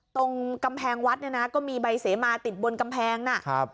ตรงกำแพงวัดเนี่ยนะก็มีใบเสมาติดบนกำแพงนะครับ